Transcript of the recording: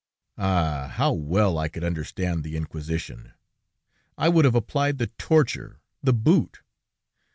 "Ah! how well I could understand the Inquisition! I would have applied the torture, the boot....